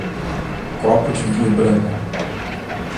Copo de vinho branco.